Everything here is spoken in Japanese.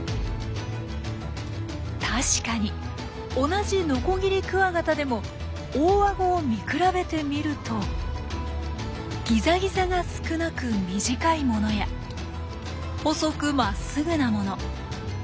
確かに同じノコギリクワガタでも大アゴを見比べてみるとギザギザが少なく短いものや細くまっすぐなもの。